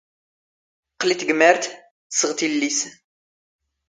ⵇⵇⵍ ⵉ ⵜⴳⵎⴰⵔⵜ, ⵜⵙⵖⵜ ⵉⵍⵍⵉⵙ